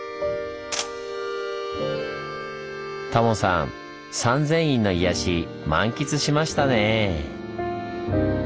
タモさん三千院の「癒やし」満喫しましたね。